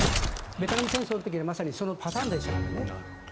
ベトナム戦争の時はそのパターンでしたから。